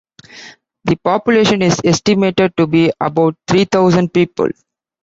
The population is estimated to be about three thousand people.